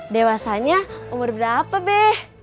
dewasanya umur berapa be